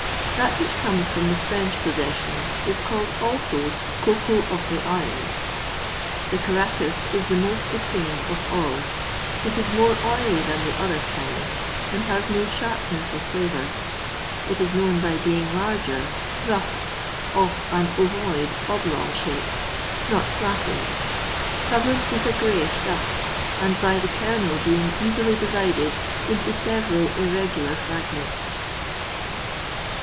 That which comes from the French possessions is called also "cocoa of the isles." The Caracas is the most esteemed of all: it is more oily than the other kinds, and has no sharpness of flavour. It is known by being larger, rough, of an ovoid, oblong shape, not flattened, covered with a greyish dust, and by the kernel being easily divided into several irregular fragments.